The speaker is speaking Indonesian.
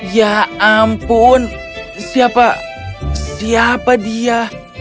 ya ampun siapa siapa dia